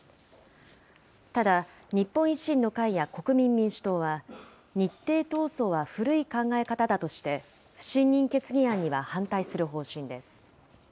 ただ、日本維新の会や国民民主党は、日程闘争は古い考え方だとして、不信任決議案には反対する方針です。